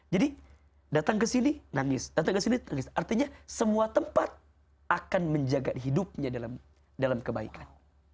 jadi datang ke sini nangis datang ke sini nangis artinya semua tempat akan menjaga hidupnya dalam kebaikan